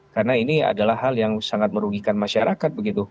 karena ini adalah hal yang sangat merugikan masyarakat begitu